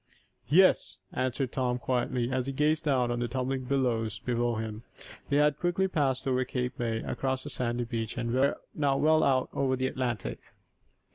"Yes," answered Tom, quietly, as he gazed down on the tumbling billows below them. They had quickly passed over Cape May, across the sandy beach, and were now well out over the Atlantic.